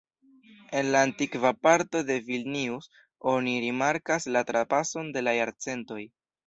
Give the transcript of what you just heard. En la antikva parto de Vilnius oni rimarkas la trapason de la jarcentoj.